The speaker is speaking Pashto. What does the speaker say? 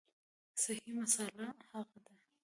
صحیح مسأله هغه ده